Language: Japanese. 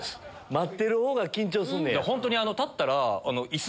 待ってる方が緊張すんねや。